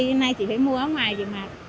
hôm nay chỉ phải mua áo ngoài thì mặc